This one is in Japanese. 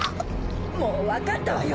もう分かったわよ！